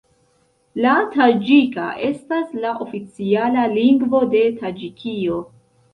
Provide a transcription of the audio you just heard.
La taĝika estas la oficiala lingvo de Taĝikio.